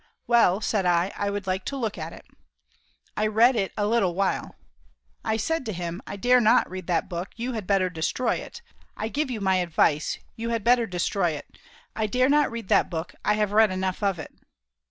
"Well," said I, "I would like to look at it." I read it a little while. I said to him, "I dare not read that book; you had better destroy it. I give you my advice, you had better destroy it. I dare not read that book. I have read enough of it."